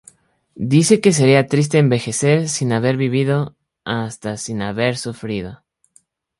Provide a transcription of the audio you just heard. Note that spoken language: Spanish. Dice que sería triste envejecer sin haber vivido, hasta sin haber sufrido.